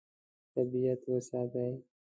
طبیعت وساتئ.